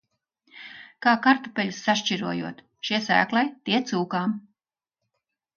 Kā kartupeļus sašķirojot – šie sēklai, tie cūkām.